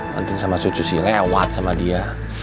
manting sama cucu sih lewat sama dia